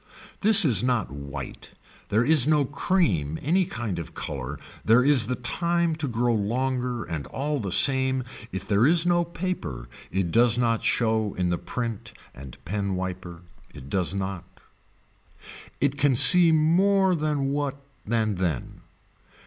This is not white, there is no cream any kind color, there is the time to grow longer and all the same if there is no paper it does not show in the print and pen wiper. It does not. It can see more than what, than then.